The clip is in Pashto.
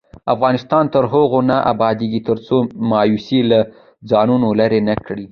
افغانستان تر هغو نه ابادیږي، ترڅو مایوسي له ځانه لیرې نکړو.